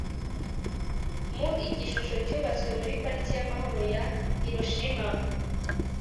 mu , igishusho cyubatswe muri parike y'amahoro ya hiroshima